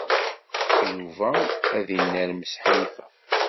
Yuba ad inermes Ḥnifa.